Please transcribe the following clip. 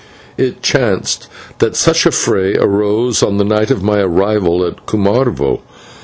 It chanced that such a fray arose on the night of my arrival at Cumarvo.